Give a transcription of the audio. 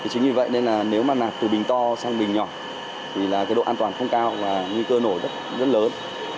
chính vì vậy nên là nếu mà nạc từ bình to sang bình nhỏ thì là cái độ an toàn không cao và nguy cơ nổ rất lớn